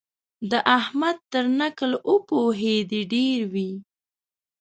د احمد تر نکل وپوهېدې ډېر وي.